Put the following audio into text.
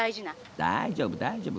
大丈夫大丈夫。